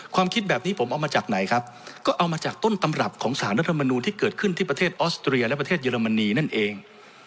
ความคิดแบบนี้ผมเอามาจากไหนครับก็เอามาจากต้นตำรับของสารรัฐมนูลที่เกิดขึ้นที่ประเทศออสเตรียและประเทศเยอรมนีนั่นเอง